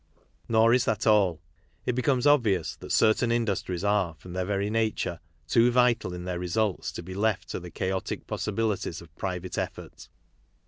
Nor is that all. It becomes obvious that certain industries are, from their very nature, too vital in their results to be left to the chaotic possibilities of private effort.